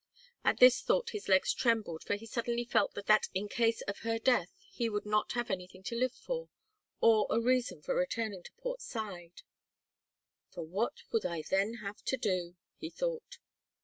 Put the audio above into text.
At this thought his legs trembled for he suddenly felt that in case of her death he would not have anything to live for, or a reason for returning to Port Said. "For what would I then have to do?" he thought.